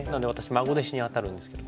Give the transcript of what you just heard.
孫弟子にあたるんですけどね。